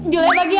julenya pagi ya